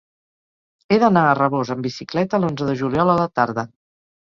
He d'anar a Rabós amb bicicleta l'onze de juliol a la tarda.